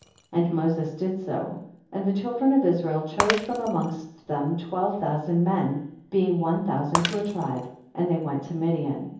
7. And Moses did so, and the chil dren of Israel chose from amongst them twelve thousand men, being one thousand to a tribe, and they went to Midian.